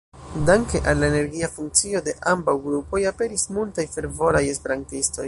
Danke al la energia funkcio de ambaŭ grupoj aperis multaj fervoraj esperantistoj.